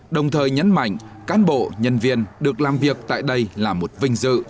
đồng thời nhấn mạnh cán bộ nhân viên được làm việc tại đây là một vinh dự